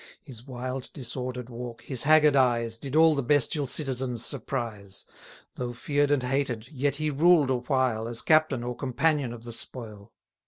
His wild disorder'd walk, his haggard eyes, Did all the bestial citizens surprise. Though fear'd and hated, yet he ruled awhile, As captain or companion of the spoil.